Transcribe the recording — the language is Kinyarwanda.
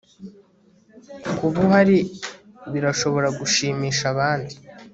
kuba uhari birashobora gushimisha abandi